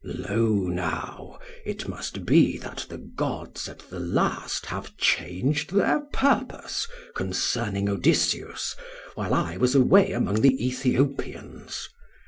'Lo now, it must be that the gods at the last have changed their purpose concerning Odysseus, while I was away among the Ethiopians.